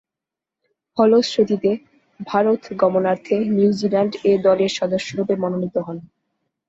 ফলশ্রুতিতে, ভারত গমনার্থে New Zealand A দলের সদস্যরূপে মনোনীত হন।